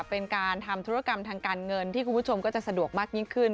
เป็นการทำธุรกรรมทางการเงินที่คุณผู้ชมก็จะสะดวกมากยิ่งขึ้น